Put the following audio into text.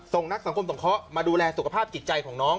นักสังคมสงเคราะห์มาดูแลสุขภาพจิตใจของน้อง